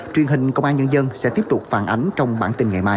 truyền hình công an nhân dân sẽ tiếp tục phản ánh trong bản tin ngày mai